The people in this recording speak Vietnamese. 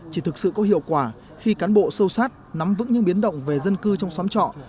chỉ thực sự có hiệu quả khi cán bộ sâu sát nắm vững những biến động về dân cư trong xóm trọ